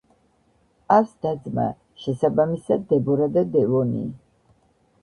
ჰყავს და-ძმა, შესაბამისად დებორა და დევონი.